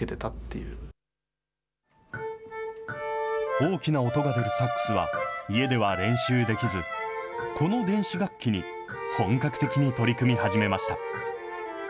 大きな音が出るサックスは、家では練習できず、この電子楽器に本格的に取り組み始めました。